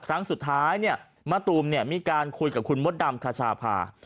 ครั้งสุดท้ายเนี่ยมะตูมมีการคุยกับคุณมดดำคชาพา